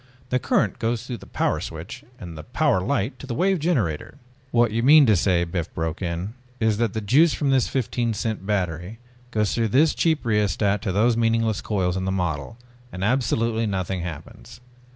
"The current goes through the Power Switch and Power Light to the Wave Generator ..." "What you mean to say," Biff broke in, "is that the juice from this fifteen cent battery goes through this cheap rheostat to those meaningless coils in the model and absolutely nothing happens.